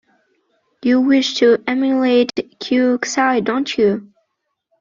You wish to emulate Qi Xi, don't you?